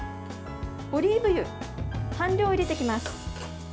オリーブ油、半量入れていきます。